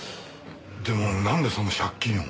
でもなんでそんな借金を。